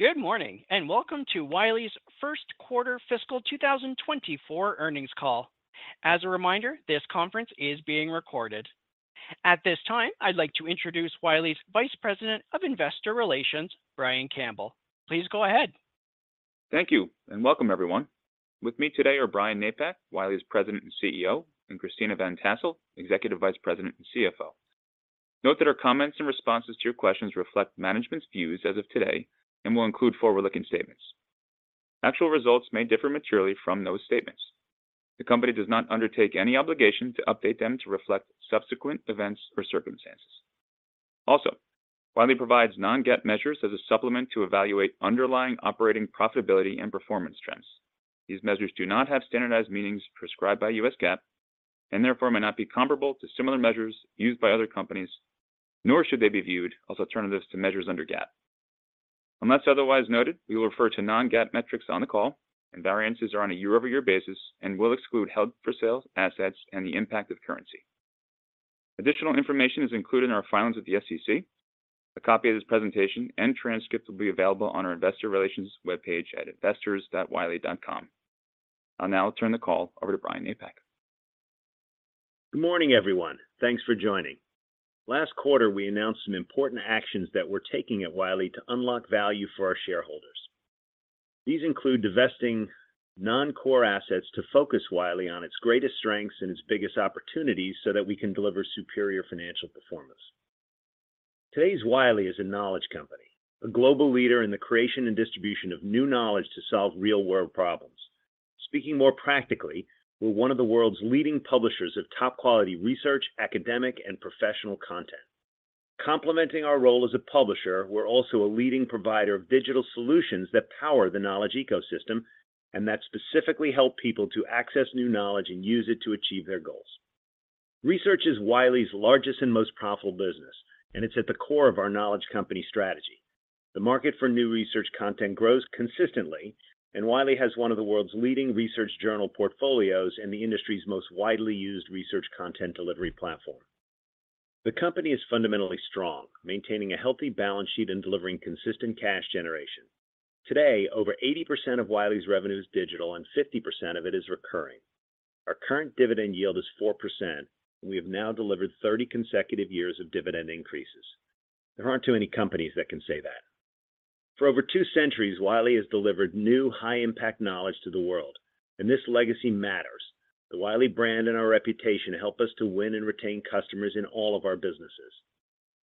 Good morning, and welcome to Wiley's first quarter fiscal 2024 earnings call. As a reminder, this conference is being recorded. At this time, I'd like to introduce Wiley's Vice President of Investor Relations, Brian Campbell. Please go ahead. Thank you, and welcome, everyone. With me today are Brian Napack, Wiley's President and CEO, and Christina Van Tassell, Executive Vice President and CFO. Note that our comments and responses to your questions reflect management's views as of today and will include forward-looking statements. Actual results may differ materially from those statements. The company does not undertake any obligation to update them to reflect subsequent events or circumstances. Also, Wiley provides non-GAAP measures as a supplement to evaluate underlying operating profitability and performance trends. These measures do not have standardized meanings prescribed by U.S. GAAP and therefore may not be comparable to similar measures used by other companies, nor should they be viewed as alternatives to measures under GAAP. Unless otherwise noted, we will refer to non-GAAP metrics on the call, and variances are on a year-over-year basis and will exclude held for sale assets and the impact of currency. Additional information is included in our filings with the SEC. A copy of this presentation and transcript will be available on our investor relations webpage at investors.wiley.com. I'll now turn the call over to Brian Napack. Good morning, everyone. Thanks for joining. Last quarter, we announced some important actions that we're taking at Wiley to unlock value for our shareholders. These include divesting non-core assets to focus Wiley on its greatest strengths and its biggest opportunities so that we can deliver superior financial performance. Today's Wiley is a knowledge company, a global leader in the creation and distribution of new knowledge to solve real-world problems. Speaking more practically, we're one of the world's leading publishers of top-quality research, academic, and professional content. Complementing our role as a publisher, we're also a leading provider of digital solutions that power the knowledge ecosystem and that specifically help people to access new knowledge and use it to achieve their goals. Research is Wiley's largest and most profitable business, and it's at the core of our knowledge company strategy. The market for new research content grows consistently, and Wiley has one of the world's leading research journal portfolios and the industry's most widely used research content delivery platform. The company is fundamentally strong, maintaining a healthy balance sheet and delivering consistent cash generation. Today, over 80% of Wiley's revenue is digital and 50% of it is recurring. Our current dividend yield is 4%, and we have now delivered 30 consecutive years of dividend increases. There aren't too many companies that can say that. For over two centuries, Wiley has delivered new, high-impact knowledge to the world, and this legacy matters. The Wiley brand and our reputation help us to win and retain customers in all of our businesses.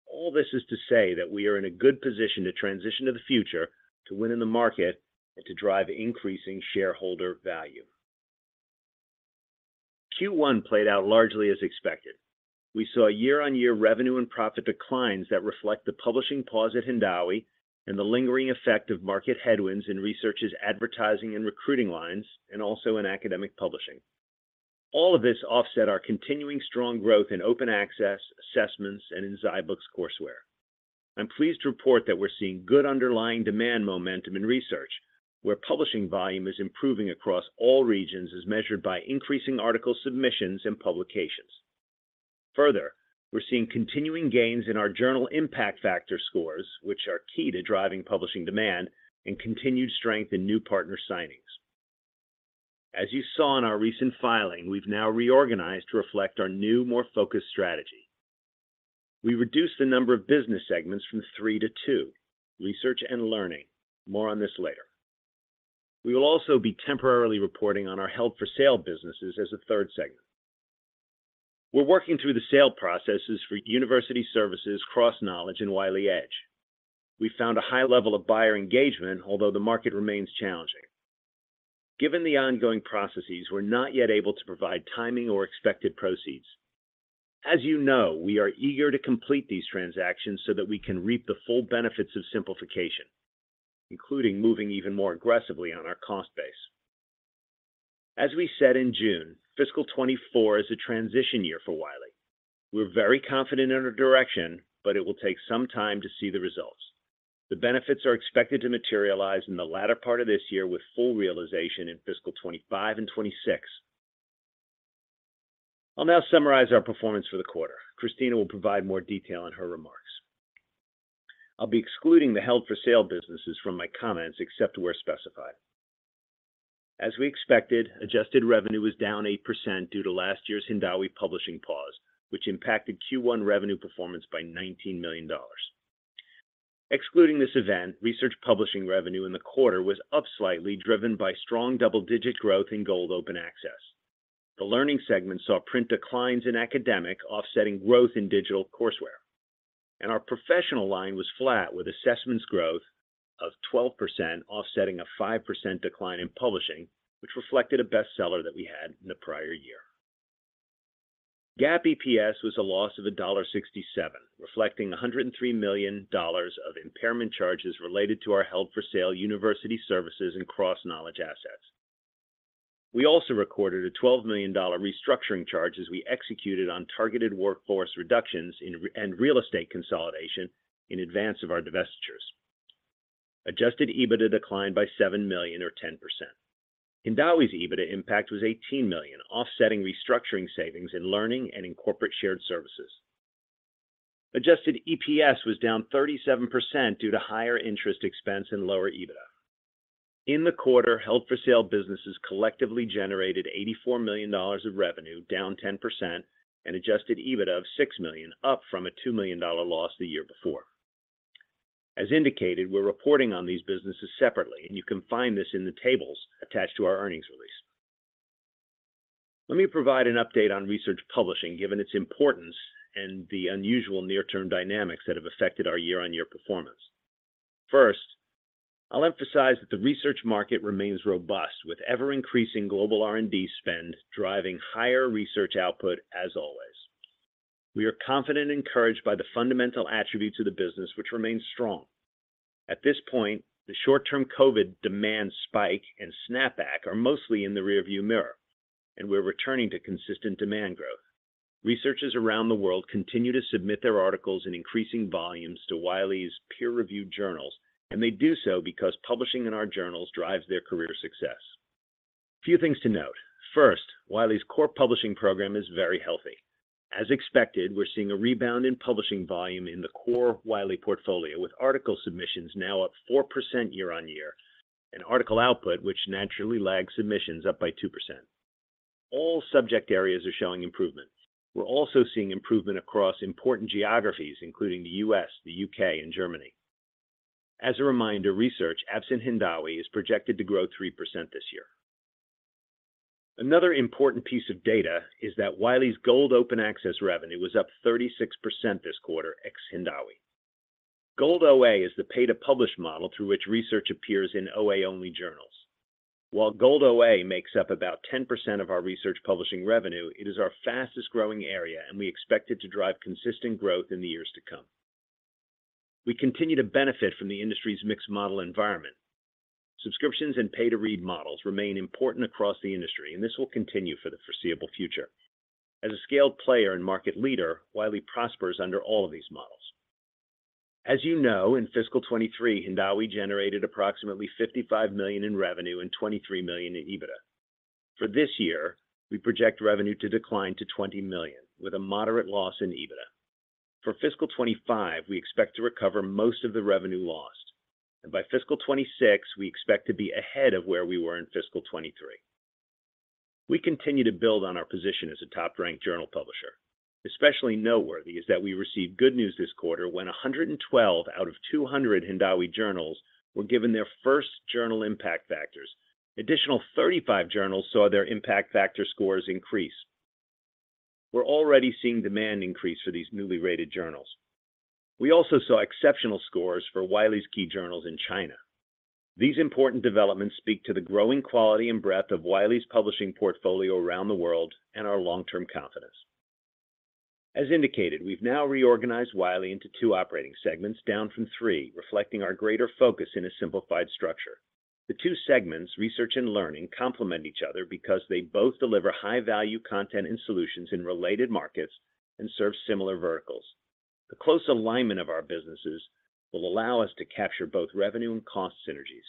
All this is to say that we are in a good position to transition to the future, to win in the market, and to drive increasing shareholder value. Q1 played out largely as expected. We saw year-on-year revenue and profit declines that reflect the publishing pause at Hindawi and the lingering effect of market headwinds in research's advertising and recruiting lines, and also in academic publishing. All of this offset our continuing strong growth in Open Access, assessments, and in zyBooks courseware. I'm pleased to report that we're seeing good underlying demand momentum in research, where publishing volume is improving across all regions, as measured by increasing article submissions and publications. Further, we're seeing continuing gains in our Journal Impact Factor scores, which are key to driving publishing demand and continued strength in new partner signings. As you saw in our recent filing, we've now reorganized to reflect our new, more focused strategy. We reduced the number of business segments from three to two: research and learning. More on this later. We will also be temporarily reporting on our held-for-sale businesses as a third segment. We're working through the sale processes for University Services, CrossKnowledge, and Wiley Edge. We found a high level of buyer engagement, although the market remains challenging. Given the ongoing processes, we're not yet able to provide timing or expected proceeds. As you know, we are eager to complete these transactions so that we can reap the full benefits of simplification, including moving even more aggressively on our cost base. As we said in June, fiscal 2024 is a transition year for Wiley. We're very confident in our direction, but it will take some time to see the results. The benefits are expected to materialize in the latter part of this year, with full realization in fiscal 2025 and 2026. I'll now summarize our performance for the quarter. Christina will provide more detail in her remarks. I'll be excluding the held-for-sale businesses from my comments, except where specified. As we expected, adjusted revenue was down 8% due to last year's Hindawi publishing pause, which impacted Q1 revenue performance by $19 million. Excluding this event, research publishing revenue in the quarter was up slightly, driven by strong double-digit growth in Gold Open Access. The learning segment saw print declines in academic, offsetting growth in digital courseware, and our professional line was flat, with assessments growth of 12% offsetting a 5% decline in publishing, which reflected a bestseller that we had in the prior year. GAAP EPS was a loss of $1.67, reflecting $103 million of impairment charges related to our held-for-sale University Services and CrossKnowledge assets. We also recorded a $12 million restructuring charge as we executed on targeted workforce reductions in re- and real estate consolidation in advance of our divestitures. Adjusted EBITDA declined by $7 million, or 10%. Hindawi's EBITDA impact was $18 million, offsetting restructuring savings in learning and in corporate shared services. Adjusted EPS was down 37% due to higher interest expense and lower EBITDA. In the quarter, held-for-sale businesses collectively generated $84 million of revenue, down 10%, and adjusted EBITDA of $6 million, up from a $2 million loss the year before. As indicated, we're reporting on these businesses separately, and you can find this in the tables attached to our earnings release. Let me provide an update on research publishing, given its importance and the unusual near-term dynamics that have affected our year-on-year performance. First, I'll emphasize that the research market remains robust, with ever-increasing global R&D spend, driving higher research output as always. We are confident and encouraged by the fundamental attributes of the business, which remains strong. At this point, the short-term COVID demand spike and snapback are mostly in the rearview mirror, and we're returning to consistent demand growth. Researchers around the world continue to submit their articles in increasing volumes to Wiley's peer-reviewed journals, and they do so because publishing in our journals drives their career success. A few things to note: first, Wiley's core publishing program is very healthy. As expected, we're seeing a rebound in publishing volume in the core Wiley portfolio, with article submissions now up 4% year-on-year, and article output, which naturally lags submissions, up by 2%. All subject areas are showing improvement. We're also seeing improvement across important geographies, including the U.S., the U.K., and Germany. As a reminder, research, absent Hindawi, is projected to grow 3% this year. Another important piece of data is that Wiley's Gold Open Access revenue was up 36% this quarter, ex Hindawi. Gold OA is the pay-to-publish model through which research appears in OA-only journals. While Gold OA makes up about 10% of our research publishing revenue, it is our fastest-growing area, and we expect it to drive consistent growth in the years to come. We continue to benefit from the industry's mixed model environment. Subscriptions and pay-to-read models remain important across the industry, and this will continue for the foreseeable future. As a scaled player and market leader, Wiley prospers under all of these models. As you know, in fiscal 2023, Hindawi generated approximately $55 million in revenue and $23 million in EBITDA. For this year, we project revenue to decline to $20 million, with a moderate loss in EBITDA. For fiscal 2025, we expect to recover most of the revenue lost, and by fiscal 2026, we expect to be ahead of where we were in fiscal 2023. We continue to build on our position as a top-ranked journal publisher. Especially noteworthy is that we received good news this quarter when 112 out of 200 Hindawi journals were given their Journal Impact Factors. additional 35 journals saw their Impact Factor scores increase. We're already seeing demand increase for these newly rated journals. We also saw exceptional scores for Wiley's key journals in China. These important developments speak to the growing quality and breadth of Wiley's publishing portfolio around the world and our long-term confidence. As indicated, we've now reorganized Wiley into two operating segments, down from three, reflecting our greater focus in a simplified structure. The two segments, research and learning, complement each other because they both deliver high-value content and solutions in related markets and serve similar verticals. The close alignment of our businesses will allow us to capture both revenue and cost synergies.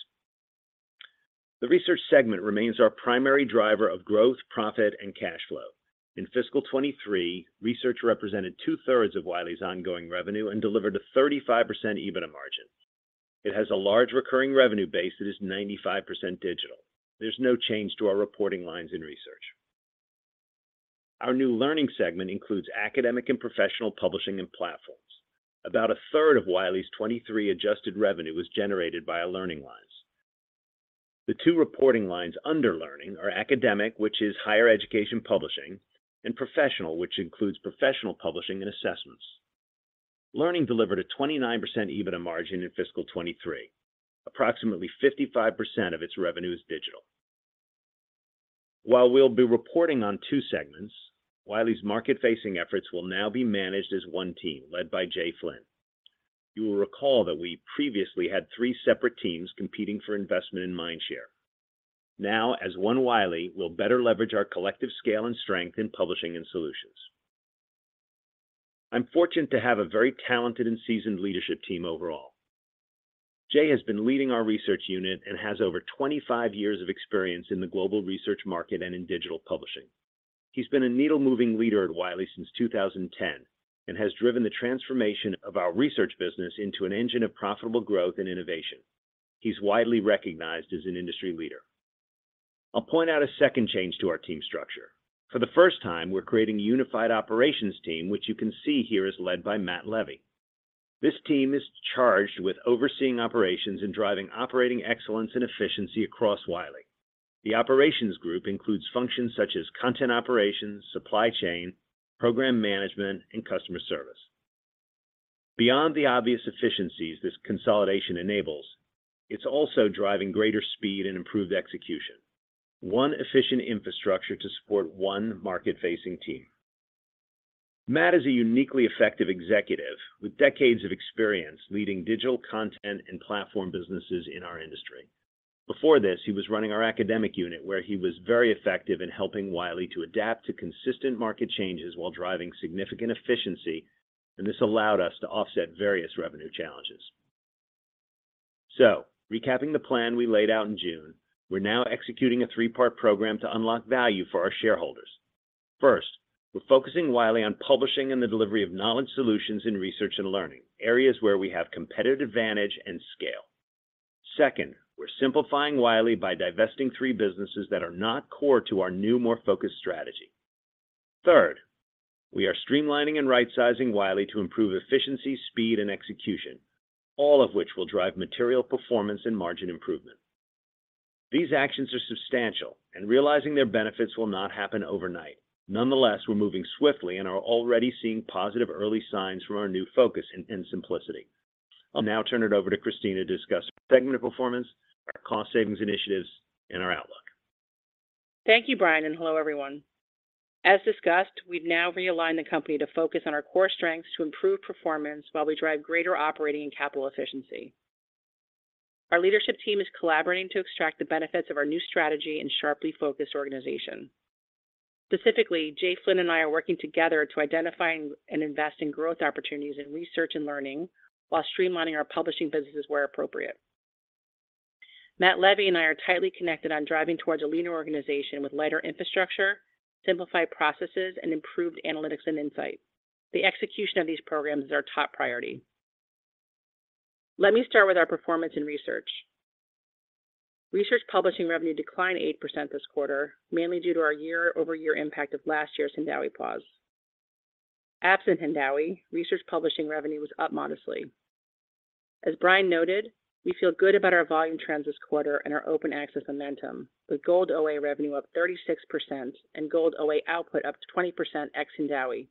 The research segment remains our primary driver of growth, profit, and cash flow. In fiscal 2023, research represented two-thirds of Wiley's ongoing revenue and delivered a 35% EBITDA margin. It has a large recurring revenue base that is 95% digital. There's no change to our reporting lines in research. Our new learning segment includes academic and professional publishing and platforms. About a third of Wiley's 2023 adjusted revenue was generated by our learning lines. The two reporting lines under learning are academic, which is higher education publishing, and professional, which includes professional publishing and assessments. Learning delivered a 29% EBITDA margin in fiscal 2023. Approximately 55% of its revenue is digital. While we'll be reporting on two segments, Wiley's market-facing efforts will now be managed as one team, led by Jay Flynn. You will recall that we previously had three separate teams competing for investment in mindshare. Now, as one Wiley, we'll better leverage our collective scale and strength in publishing and solutions. I'm fortunate to have a very talented and seasoned leadership team overall. Jay has been leading our research unit and has over 25 years of experience in the global research market and in digital publishing. He's been a needle-moving leader at Wiley since 2010 and has driven the transformation of our research business into an engine of profitable growth and innovation. He's widely recognized as an industry leader. I'll point out a second change to our team structure. For the first time, we're creating a unified operations team, which you can see here is led by Matt Leavy. This team is charged with overseeing operations and driving operating excellence and efficiency across Wiley. The operations group includes functions such as content operations, supply chain, program management, and customer service. Beyond the obvious efficiencies this consolidation enables, it's also driving greater speed and improved execution, one efficient infrastructure to support one market-facing team. Matt is a uniquely effective executive with decades of experience leading digital content and platform businesses in our industry. Before this, he was running our academic unit, where he was very effective in helping Wiley to adapt to consistent market changes while driving significant efficiency, and this allowed us to offset various revenue challenges. So recapping the plan we laid out in June, we're now executing a three-part program to unlock value for our shareholders. First, we're focusing Wiley on publishing and the delivery of knowledge solutions in research and learning, areas where we have competitive advantage and scale. Second, we're simplifying Wiley by divesting three businesses that are not core to our new, more focused strategy. Third, we are streamlining and right-sizing Wiley to improve efficiency, speed, and execution, all of which will drive material performance and margin improvement. These actions are substantial, and realizing their benefits will not happen overnight. Nonetheless, we're moving swiftly and are already seeing positive early signs from our new focus in simplicity. I'll now turn it over to Christina to discuss segment performance, our cost savings initiatives, and our outlook. Thank you, Brian, and hello, everyone. As discussed, we've now realigned the company to focus on our core strengths to improve performance while we drive greater operating and capital efficiency. Our leadership team is collaborating to extract the benefits of our new strategy and sharply focused organization. Specifically, Jay Flynn and I are working together to identify and invest in growth opportunities in research and learning, while streamlining our publishing businesses where appropriate. Matt Leavy and I are tightly connected on driving towards a leaner organization with lighter infrastructure, simplified processes, and improved analytics and insight. The execution of these programs is our top priority. Let me start with our performance in research. Research publishing revenue declined 8% this quarter, mainly due to our year-over-year impact of last year's Hindawi pause. Absent Hindawi, research publishing revenue was up modestly. As Brian noted, we feel good about our volume trends this quarter and our open access momentum, with Gold OA revenue up 36% and Gold OA output up to 20% ex Hindawi.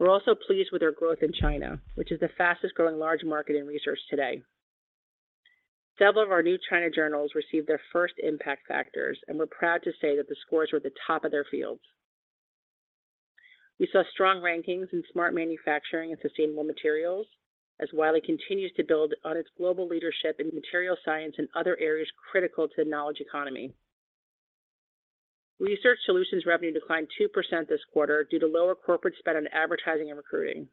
We're also pleased with our growth in China, which is the fastest-growing large market in research today. Several of our new China journals received their first Impact Factors, and we're proud to say that the scores were the top of their fields. We saw strong rankings in smart manufacturing and sustainable materials, as Wiley continues to build on its global leadership in materials science and other areas critical to the knowledge economy. Research solutions revenue declined 2% this quarter due to lower corporate spend on advertising and recruiting.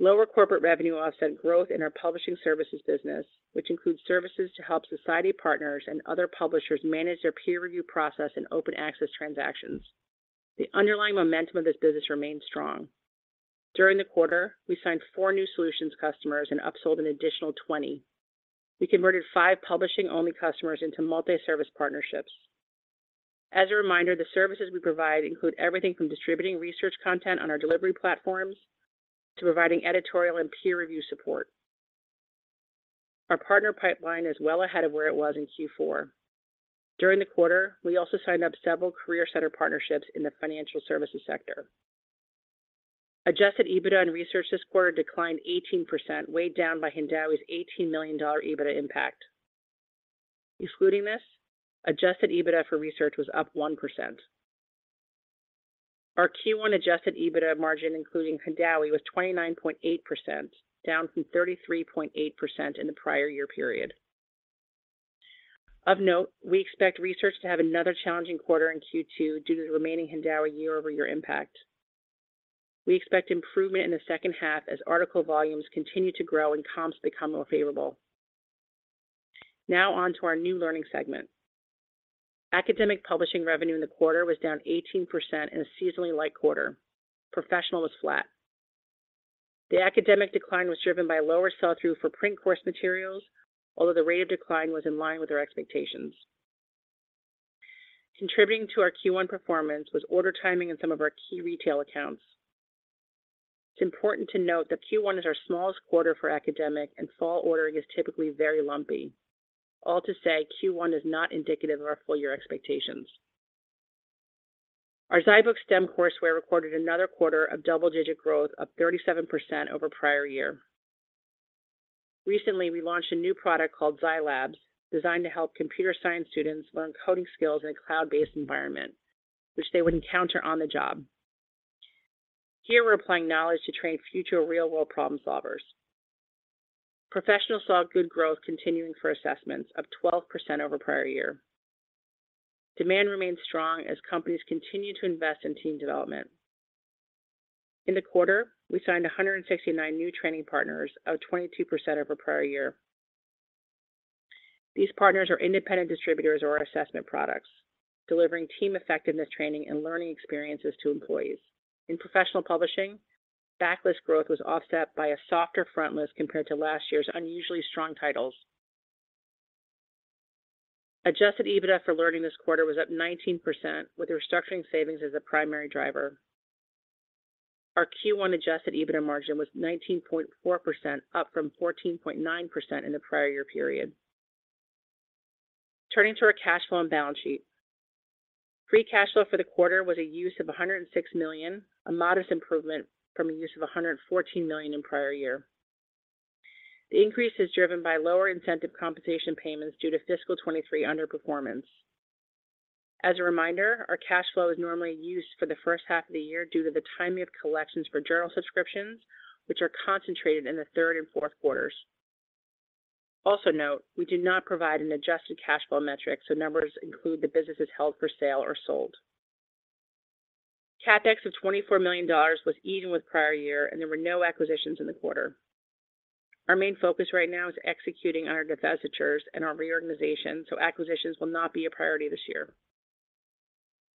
Lower corporate revenue offset growth in our publishing services business, which includes services to help society partners and other publishers manage their peer review process and open access transactions. The underlying momentum of this business remains strong. During the quarter, we signed four new solutions customers and upsold an additional 20. We converted five publishing-only customers into multi-service partnerships. As a reminder, the services we provide include everything from distributing research content on our delivery platforms to providing editorial and peer review support. Our partner pipeline is well ahead of where it was in Q4. During the quarter, we also signed up several career center partnerships in the financial services sector. Adjusted EBITDA in research this quarter declined 18%, weighed down by Hindawi's $18 million EBITDA impact. Excluding this, adjusted EBITDA for research was up 1%. Our Q1 adjusted EBITDA margin, including Hindawi, was 29.8%, down from 33.8% in the prior year period. Of note, we expect research to have another challenging quarter in Q2 due to the remaining Hindawi year-over-year impact. We expect improvement in the second half as article volumes continue to grow and comps become more favorable. Now on to our new learning segment. Academic publishing revenue in the quarter was down 18% in a seasonally light quarter. Professional was flat. The academic decline was driven by lower sell-through for print course materials, although the rate of decline was in line with our expectations. Contributing to our Q1 performance was order timing in some of our key retail accounts. It's important to note that Q1 is our smallest quarter for academic, and fall ordering is typically very lumpy. All to say, Q1 is not indicative of our full year expectations. Our zyBooks STEM courseware recorded another quarter of double-digit growth, up 37% over prior year. Recently, we launched a new product called zyLabs, designed to help computer science students learn coding skills in a cloud-based environment, which they would encounter on the job. Here, we're applying knowledge to train future real-world problem solvers. Professional saw good growth continuing for assessments, up 12% over prior year. Demand remains strong as companies continue to invest in team development. In the quarter, we signed 169 new training partners, up 22% over prior year. These partners are independent distributors of our assessment products, delivering team effectiveness, training, and learning experiences to employees. In professional publishing, backlist growth was offset by a softer frontlist compared to last year's unusually strong titles. Adjusted EBITDA for learning this quarter was up 19%, with restructuring savings as the primary driver. Our Q1 adjusted EBITDA margin was 19.4%, up from 14.9% in the prior year period. Turning to our cash flow and balance sheet. Free cash flow for the quarter was a use of $106 million, a modest improvement from a use of $114 million in prior year. The increase is driven by lower incentive compensation payments due to fiscal 2023 underperformance. As a reminder, our cash flow is normally used for the first half of the year due to the timing of collections for journal subscriptions, which are concentrated in the third and fourth quarters. Also note, we do not provide an adjusted cash flow metric, so numbers include the businesses held for sale or sold. CapEx of $24 million was even with prior year, and there were no acquisitions in the quarter. Our main focus right now is executing on our divestitures and our reorganization, so acquisitions will not be a priority this year.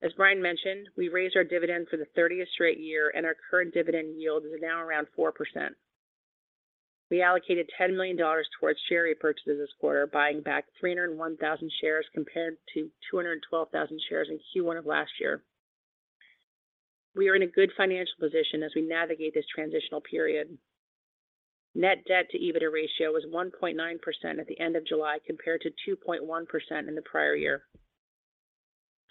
As Brian mentioned, we raised our dividend for the 30th straight year, and our current dividend yield is now around 4%. We allocated $10 million towards share repurchases this quarter, buying back 301,000 shares, compared to 212,000 shares in Q1 of last year. We are in a good financial position as we navigate this transitional period. Net debt to EBITDA ratio was 1.9% at the end of July, compared to 2.1% in the prior year.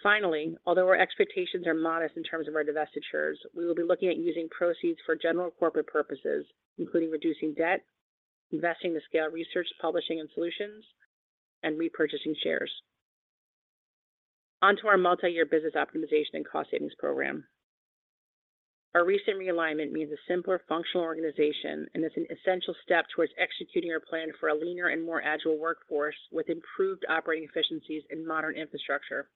Finally, although our expectations are modest in terms of our divestitures, we will be looking at using proceeds for general corporate purposes, including reducing debt, investing to scale research, publishing, and solutions, and repurchasing shares. On to our multi-year business optimization and cost savings program. Our recent realignment means a simpler functional organization and is an essential step towards executing our plan for a leaner and more agile workforce with improved operating efficiencies and modern infrastructure.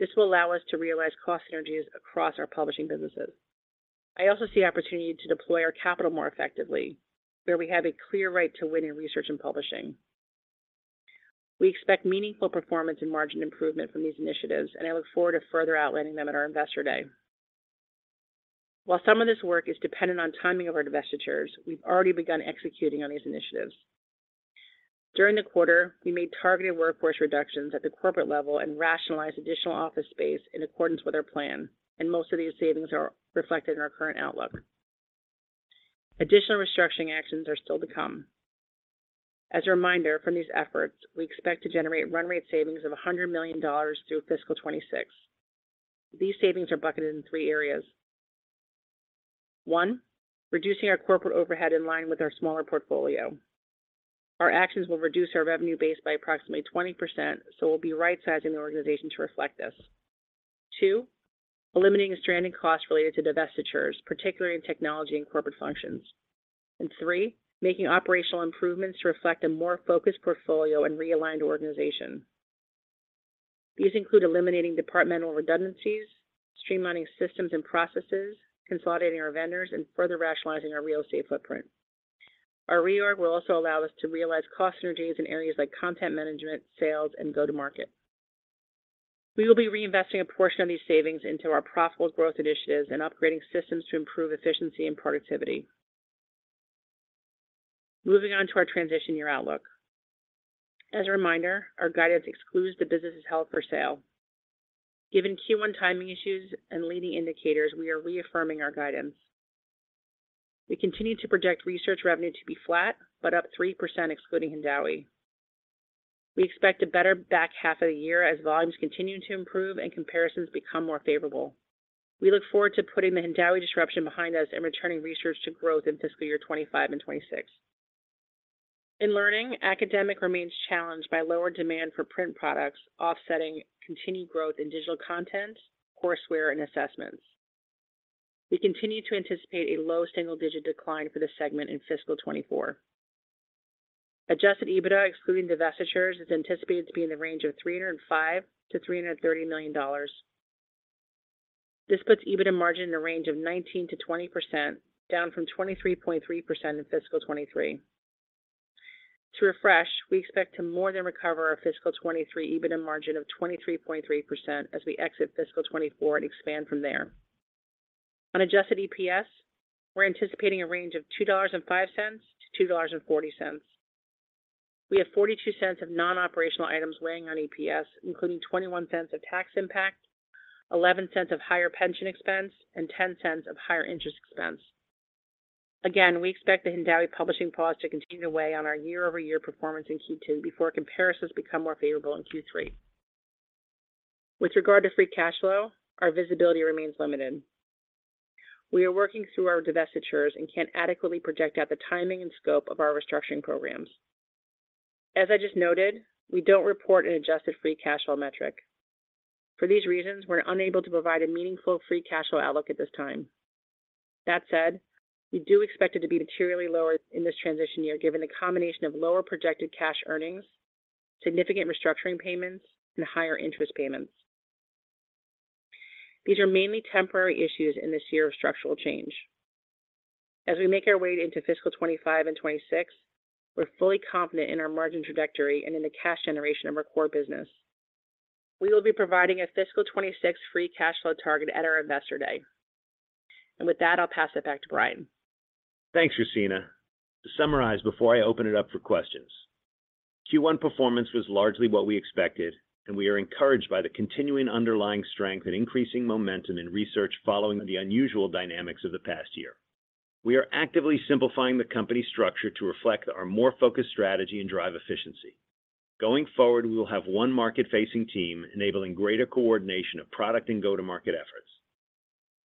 This will allow us to realize cost synergies across our publishing businesses. I also see opportunity to deploy our capital more effectively, where we have a clear right to win in research and publishing. We expect meaningful performance and margin improvement from these initiatives, and I look forward to further outlining them at our Investor Day. While some of this work is dependent on timing of our divestitures, we've already begun executing on these initiatives. During the quarter, we made targeted workforce reductions at the corporate level and rationalized additional office space in accordance with our plan, and most of these savings are reflected in our current outlook. Additional restructuring actions are still to come. As a reminder, from these efforts, we expect to generate run rate savings of $100 million through fiscal 2026. These savings are bucketed in three areas. One, reducing our corporate overhead in line with our smaller portfolio. Our actions will reduce our revenue base by approximately 20%, so we'll be right-sizing the organization to reflect this. Two, eliminating stranded costs related to divestitures, particularly in technology and corporate functions. And three, making operational improvements to reflect a more focused portfolio and realigned organization. These include eliminating departmental redundancies, streamlining systems and processes, consolidating our vendors, and further rationalizing our real estate footprint. Our reorg will also allow us to realize cost synergies in areas like content management, sales, and go-to-market. We will be reinvesting a portion of these savings into our profitable growth initiatives and upgrading systems to improve efficiency and productivity. Moving on to our transition year outlook. As a reminder, our guidance excludes the businesses held for sale. Given Q1 timing issues and leading indicators, we are reaffirming our guidance. We continue to project research revenue to be flat, but up 3%, excluding Hindawi. We expect a better back half of the year as volumes continue to improve and comparisons become more favorable. We look forward to putting the Hindawi disruption behind us and returning research to growth in fiscal year 2025 and 2026. In learning, academic remains challenged by lower demand for print products, offsetting continued growth in digital content, courseware, and assessments. We continue to anticipate a low single-digit decline for this segment in fiscal 2024. Adjusted EBITDA, excluding divestitures, is anticipated to be in the range of $305 million-$330 million. This puts EBITDA margin in a range of 19%-20%, down from 23.3% in fiscal 2023. To refresh, we expect to more than recover our fiscal 2023 EBITDA margin of 23.3% as we exit fiscal 2024 and expand from there. On adjusted EPS, we're anticipating a range of $2.05-$2.40. We have $0.42 of non-operational items weighing on EPS, including $0.21 of tax impact, $0.11 of higher pension expense, and $0.10 of higher interest expense. Again, we expect the Hindawi Publishing pause to continue to weigh on our year-over-year performance in Q2 before comparisons become more favorable in Q3. With regard to free cash flow, our visibility remains limited. We are working through our divestitures and can't adequately project out the timing and scope of our restructuring programs. As I just noted, we don't report an adjusted free cash flow metric. For these reasons, we're unable to provide a meaningful free cash flow outlook at this time. That said, we do expect it to be materially lower in this transition year, given the combination of lower projected cash earnings, significant restructuring payments, and higher interest payments. These are mainly temporary issues in this year of structural change. As we make our way into fiscal 2025 and 2026, we're fully confident in our margin trajectory and in the cash generation of our core business. We will be providing a fiscal 2026 Free Cash Flow target at our Investor Day. With that, I'll pass it back to Brian. Thanks, Christina. To summarize, before I open it up for questions, Q1 performance was largely what we expected, and we are encouraged by the continuing underlying strength and increasing momentum in research following the unusual dynamics of the past year. We are actively simplifying the company structure to reflect our more focused strategy and drive efficiency. Going forward, we will have one market-facing team, enabling greater coordination of product and go-to-market efforts.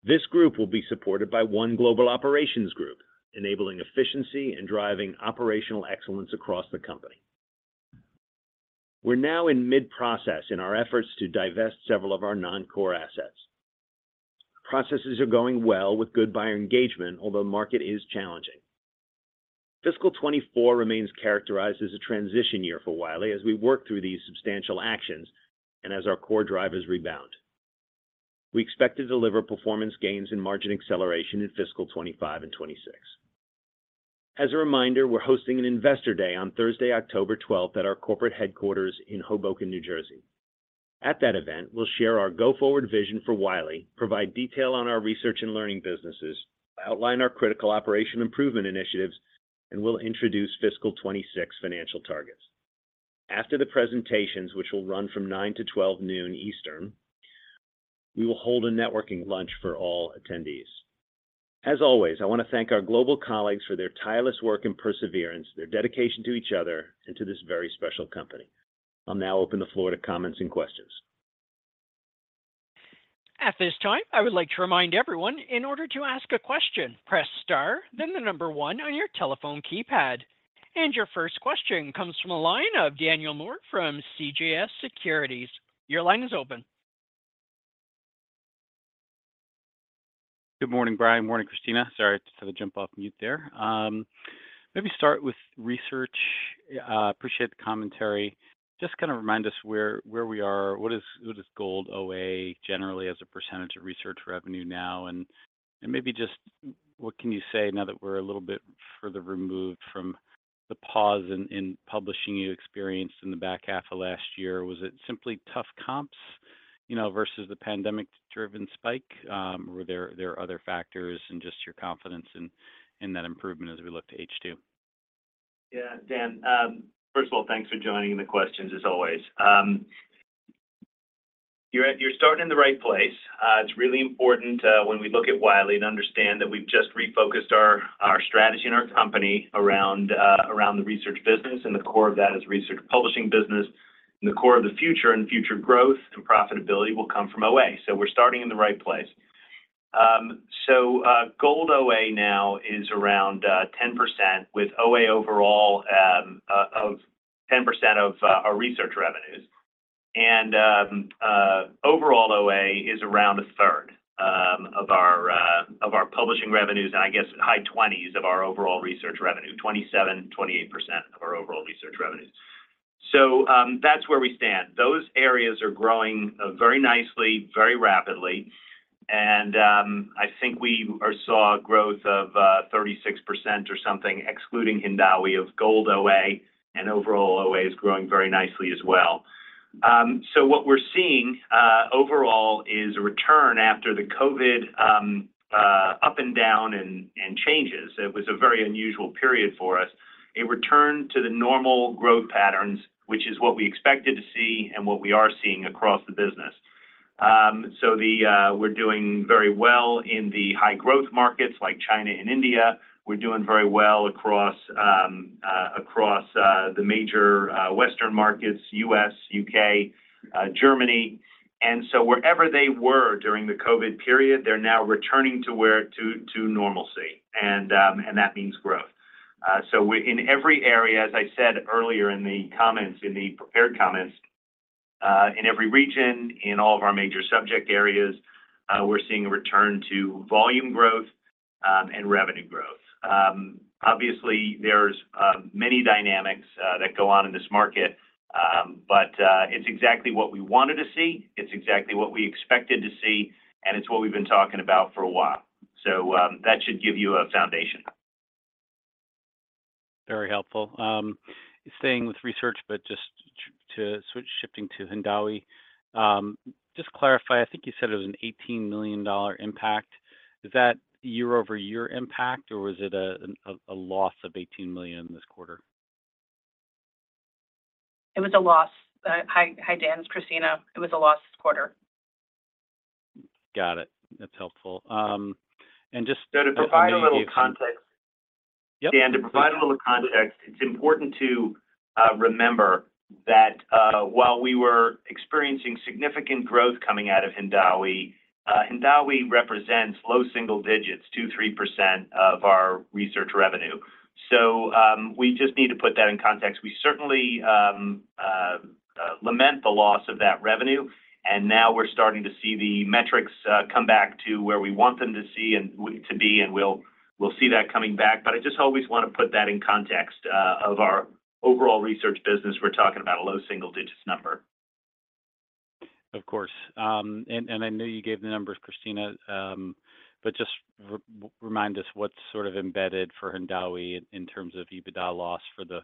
This group will be supported by one global operations group, enabling efficiency and driving operational excellence across the company. We're now in mid-process in our efforts to divest several of our non-core assets. Processes are going well with good buyer engagement, although the market is challenging. Fiscal 2024 remains characterized as a transition year for Wiley as we work through these substantial actions and as our core drivers rebound. We expect to deliver performance gains and margin acceleration in fiscal 2025 and 2026. As a reminder, we're hosting an Investor Day on Thursday, October 12, at our corporate headquarters in Hoboken, New Jersey. At that event, we'll share our go-forward vision for Wiley, provide detail on our research and learning businesses, outline our critical operation improvement initiatives, and we'll introduce fiscal 2026 financial targets. After the presentations, which will run from 9:00A.M. to 12:00PM Eastern, we will hold a networking lunch for all attendees. As always, I want to thank our global colleagues for their tireless work and perseverance, their dedication to each other and to this very special company. I'll now open the floor to comments and questions. At this time, I would like to remind everyone, in order to ask a question, press star, then the number one on your telephone keypad. Your first question comes from a line of Daniel Moore from CJS Securities. Your line is open. Good morning, Brian. Morning, Christina. Sorry to jump off mute there. Maybe start with research. Appreciate the commentary. Just kind of remind us where we are. What is Gold OA generally as a percentage of research revenue now? And maybe just what can you say now that we're a little bit further removed from the pause in publishing you experienced in the back half of last year? Was it simply tough comps, you know, versus the pandemic-driven spike? Were there other factors and just your confidence in that improvement as we look to H2? Yeah, Dan, first of all, thanks for joining the questions, as always. You're starting in the right place. It's really important when we look at Wiley to understand that we've just refocused our strategy and our company around the research business, and the core of that is research publishing business. And the core of the future growth and profitability will come from OA. So we're starting in the right place. So, Gold OA now is around 10%, with OA overall of 10% of our research revenues. And overall OA is around a third of our publishing revenues, and I guess high twenties of our overall research revenue, 27%-28% of our overall research revenues. So, that's where we stand. Those areas are growing very nicely, very rapidly, and I think we saw a growth of 36% or something, excluding Hindawi of Gold OA, and overall OA is growing very nicely as well. So what we're seeing overall is a return after the COVID, up and down and changes. It was a very unusual period for us. A return to the normal growth patterns, which is what we expected to see and what we are seeing across the business. So the, we're doing very well in the high growth markets like China and India. We're doing very well across the major Western markets, U.S., UK, Germany. And so wherever they were during the COVID period, they're now returning to where to, to normalcy, and that means growth. So we're in every area, as I said earlier in the comments, in the prepared comments, in every region, in all of our major subject areas, we're seeing a return to volume growth, and revenue growth. Obviously, there's many dynamics that go on in this market, but it's exactly what we wanted to see, it's exactly what we expected to see, and it's what we've been talking about for a while. So, that should give you a foundation. Very helpful. Staying with research, but just to switch, shifting to Hindawi, just clarify, I think you said it was an $18 million impact. Is that year-over-year impact, or was it a loss of $18 million this quarter? It was a loss. Hi, Dan, it's Christina. It was a loss this quarter. Got it. That's helpful. And just- To provide a little context- Yep. Dan, to provide a little context, it's important to remember that, while we were experiencing significant growth coming out of Hindawi, Hindawi represents low single digits, 2%-3% of our research revenue. So, we just need to put that in context. We certainly lament the loss of that revenue, and now we're starting to see the metrics come back to where we want them to see and to be, and we'll see that coming back. But I just always want to put that in context of our overall research business. We're talking about a low single-digit number. Of course. And I know you gave the numbers, Christina, but just remind us what's sort of embedded for Hindawi in terms of EBITDA loss for the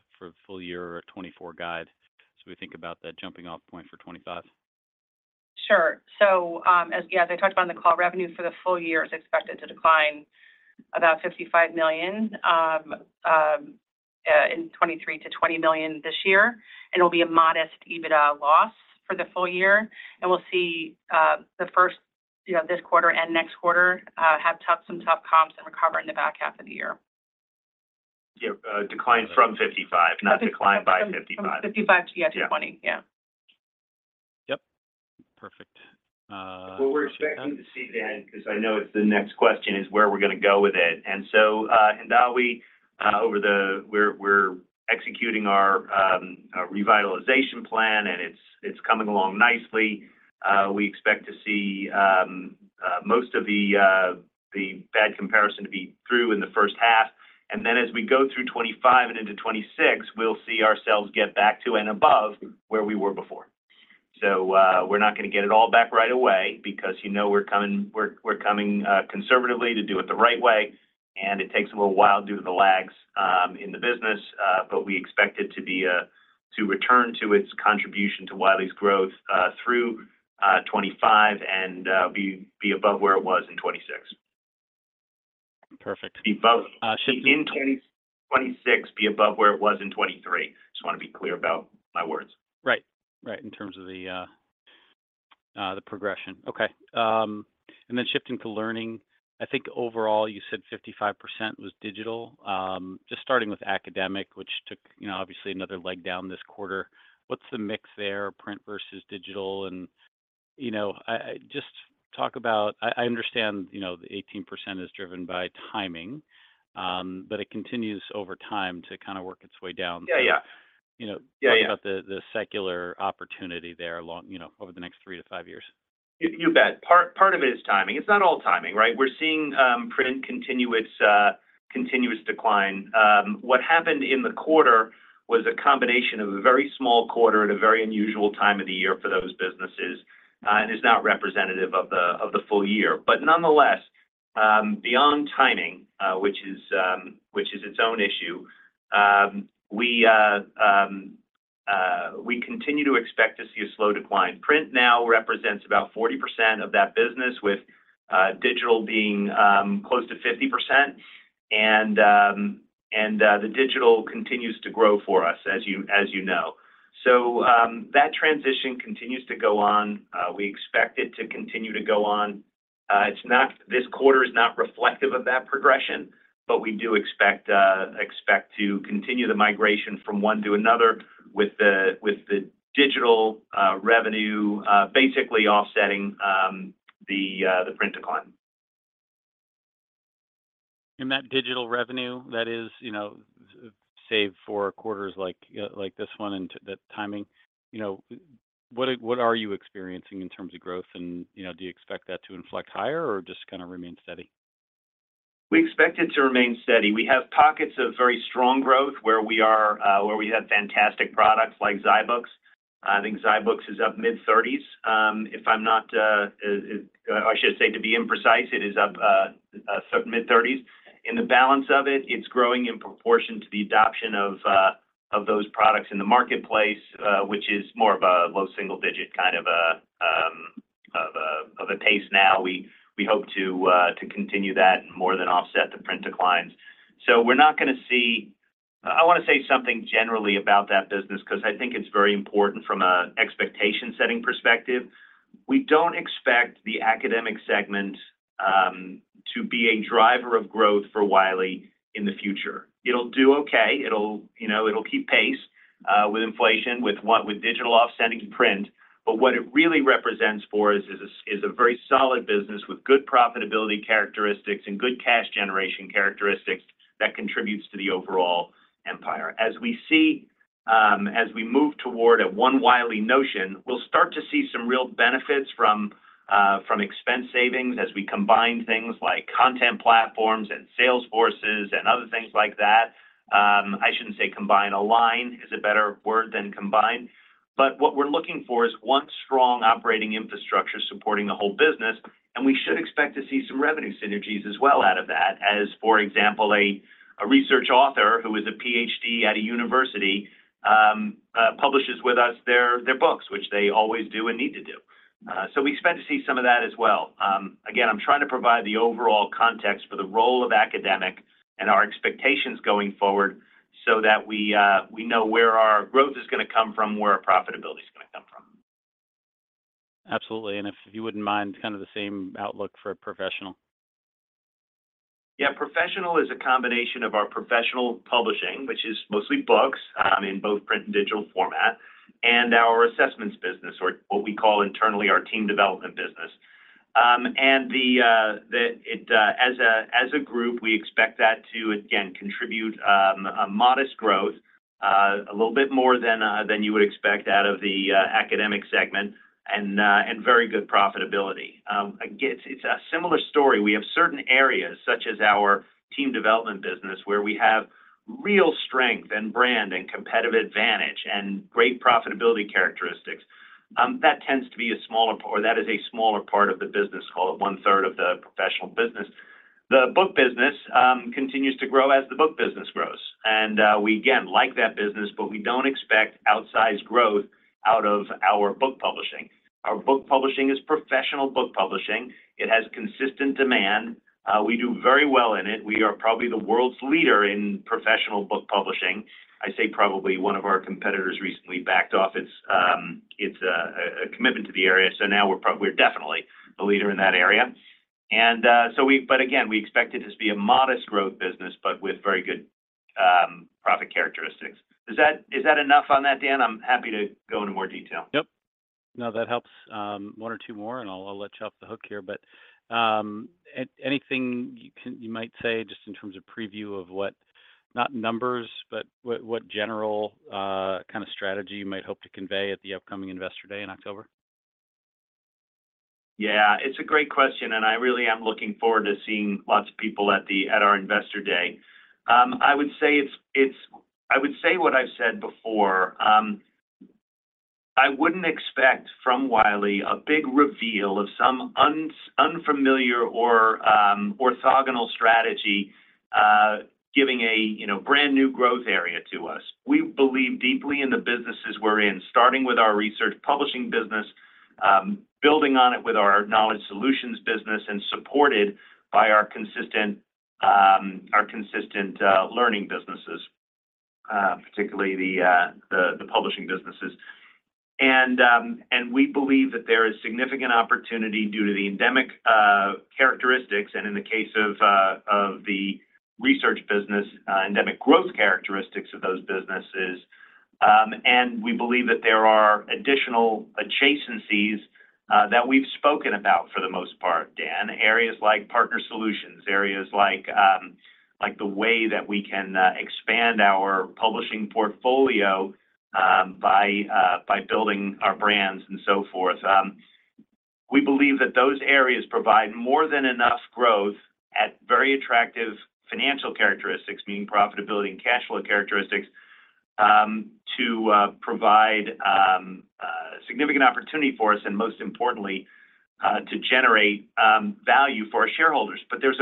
full year or 2024 guide, as we think about that jumping off point for 2025. Sure. So, as I talked about on the call, revenue for the full year is expected to decline about $55 million in 2023 to $20 million this year, and it'll be a modest EBITDA loss for the full year. We'll see the first, you know, this quarter and next quarter have some tough comps and recover in the back half of the year. Yeah, decline from 55, not decline by 55. From 55 to, yeah, 20. Yeah. Yep. Perfect. What we're expecting to see then, 'cause I know it's the next question, is where we're going to go with it. And so, Hindawi, we're executing our revitalization plan, and it's coming along nicely. We expect to see most of the bad comparison to be through in the first half. And then as we go through 2025 and into 2026, we'll see ourselves get back to and above where we were before. So, we're not gonna get it all back right away because, you know, we're coming conservatively to do it the right way, and it takes a little while due to the lags in the business. But we expect it to be to return to its contribution to Wiley's growth through 2025 and be above where it was in 2026. Perfect. Be above- Uh, shifting- In 2026, be above where it was in 2023. Just wanna be clear about my words. Right. Right, in terms of the progression. Okay, and then shifting to learning, I think overall, you said 55% was digital. Just starting with academic, which took, you know, obviously another leg down this quarter. What's the mix there, print versus digital? And, you know, I understand, you know, the 18% is driven by timing, but it continues over time to kind of work its way down. Yeah, yeah. You know- Yeah, yeah. Talk about the secular opportunity there along, you know, over the next three to five years. You bet. Part of it is timing. It's not all timing, right? We're seeing print continue its continuous decline. What happened in the quarter was a combination of a very small quarter at a very unusual time of the year for those businesses, and is not representative of the full year. But nonetheless, beyond timing, which is its own issue, we continue to expect to see a slow decline. Print now represents about 40% of that business, with digital being close to 50%, and the digital continues to grow for us, as you know. So, that transition continues to go on, we expect it to continue to go on. It's not—this quarter is not reflective of that progression, but we do expect to continue the migration from one to another with the digital revenue basically offsetting the print decline. That digital revenue, that is, you know, save for quarters like, like this one, and the timing, you know, what, what are you experiencing in terms of growth? And, you know, do you expect that to inflect higher or just kinda remain steady? We expect it to remain steady. We have pockets of very strong growth where we are, where we have fantastic products like zyBooks. I think zyBooks is up mid-30s. If I'm not, I should say, to be imprecise, it is up mid-30s. In the balance of it, it's growing in proportion to the adoption of of those products in the marketplace, which is more of a low single-digit, kind of a pace now. We hope to continue that and more than offset the print declines. So we're not gonna see, I want to say something generally about that business, 'cause I think it's very important from an expectation-setting perspective. We don't expect the academic segment to be a driver of growth for Wiley in the future. It'll do okay. It'll, you know, it'll keep pace with inflation, with what with digital offsetting print, but what it really represents for us is a very solid business with good profitability characteristics and good cash generation characteristics that contributes to the overall empire. As we see, as we move toward a one Wiley notion, we'll start to see some real benefits from expense savings as we combine things like content platforms and sales forces and other things like that. I shouldn't say combine, align is a better word than combine. But what we're looking for is one strong operating infrastructure supporting the whole business, and we should expect to see some revenue synergies as well out of that. As for example, a research author who is a PhD at a university publishes with us their books, which they always do and need to do. So we expect to see some of that as well. Again, I'm trying to provide the overall context for the role of academic and our expectations going forward so that we know where our growth is gonna come from, where our profitability is gonna come from. Absolutely, and if you wouldn't mind, kind of the same outlook for professional. Yeah. Professional is a combination of our professional publishing, which is mostly books, in both print and digital format, and our assessments business, or what we call internally our team development business. And, as a group, we expect that to again contribute a modest growth, a little bit more than you would expect out of the academic segment and very good profitability. Again, it's a similar story. We have certain areas, such as our team development business, where we have real strength and brand and competitive advantage and great profitability characteristics. That tends to be a smaller, or that is a smaller part of the business, call it one-third of the professional business. The book business continues to grow as the book business grows, and we again like that business, but we don't expect outsized growth out of our book publishing. Our book publishing is professional book publishing. It has consistent demand. We do very well in it. We are probably the world's leader in professional book publishing. I say probably, one of our competitors recently backed off its commitment to the area, so now we're definitely a leader in that area. But again, we expect it to be a modest growth business, but with very good profit characteristics. Is that enough on that, Dan? I'm happy to go into more detail. Yep. No, that helps. One or two more, and I'll let you off the hook here. But, anything you can, you might say, just in terms of preview of what... not numbers, but what, what general kind of strategy you might hope to convey at the upcoming Investor Day in October? Yeah, it's a great question, and I really am looking forward to seeing lots of people at our Investor Day. I would say what I've said before. I wouldn't expect from Wiley a big reveal of some unfamiliar or orthogonal strategy, giving a you know brand-new growth area to us. We believe deeply in the businesses we're in, starting with our research publishing business, building on it with our knowledge solutions business, and supported by our consistent, our consistent learning businesses, particularly the publishing businesses. And we believe that there is significant opportunity due to the endemic characteristics, and in the case of the research business, endemic growth characteristics of those businesses. And we believe that there are additional adjacencies that we've spoken about for the most part, Dan. Areas like partner solutions, areas like the way that we can expand our publishing portfolio by building our brands and so forth. We believe that those areas provide more than enough growth at very attractive financial characteristics, meaning profitability and cash flow characteristics, to provide significant opportunity for us, and most importantly, to generate value for our shareholders. But there's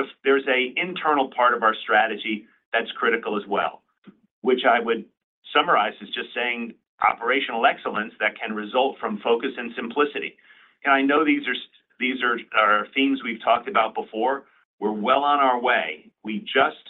an internal part of our strategy that's critical as well, which I would summarize as just saying operational excellence that can result from focus and simplicity. And I know these are themes we've talked about before. We're well on our way. We just,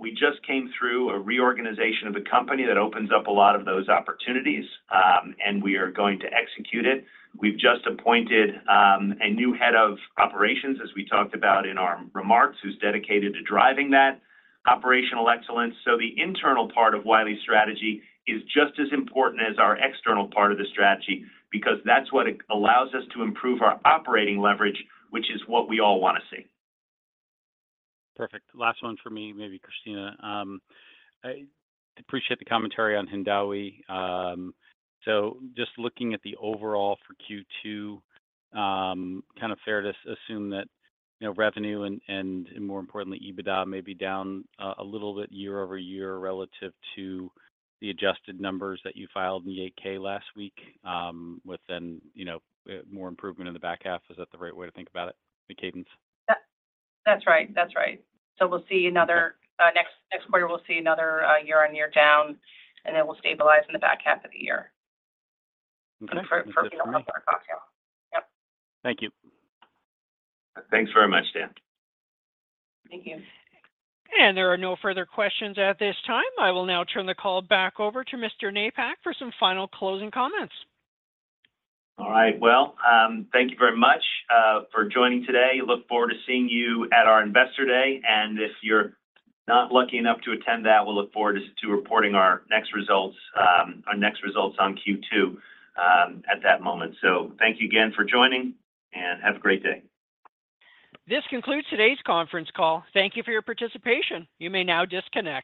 we just came through a reorganization of the company that opens up a lot of those opportunities, and we are going to execute it. We've just appointed a new head of operations, as we talked about in our remarks, who's dedicated to driving that operational excellence. So the internal part of Wiley's strategy is just as important as our external part of the strategy because that's what it allows us to improve our operating leverage, which is what we all want to see. Perfect. Last one for me, maybe Christina. I appreciate the commentary on Hindawi. So just looking at the overall for Q2, kind of fair to assume that, you know, revenue and, more importantly, EBITDA may be down a little bit year over year relative to the adjusted numbers that you filed in the 8-K last week, with then, you know, more improvement in the back half. Is that the right way to think about it, the cadence? That, that's right. That's right. So we'll see another- Okay. Next quarter, we'll see another year-over-year down, and then we'll stabilize in the back half of the year. Okay. For you know, for our cocktail. Yep. Thank you. Thanks very much, Dan. Thank you. There are no further questions at this time. I will now turn the call back over to Mr. Napack for some final closing comments. All right. Well, thank you very much for joining today. Look forward to seeing you at our Investor Day, and if you're not lucky enough to attend that, we'll look forward to reporting our next results on Q2 at that moment. So thank you again for joining, and have a great day. This concludes today's conference call. Thank you for your participation. You may now disconnect.